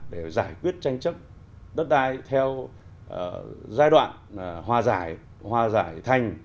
để giải quyết tranh chấp đất đai theo giai đoạn hòa giải hòa giải thành